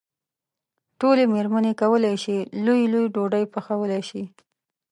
ټولې مېرمنې کولای شي لويې لويې ډوډۍ پخولی شي.